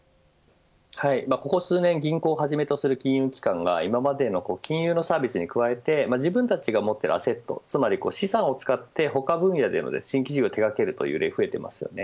ここ数年、銀行をはじめとする金融機関が今までの金融のサービスに加えて自分たちが持っているアセットつまり資産を使って他分野での新規事業を手掛けるのが増えています。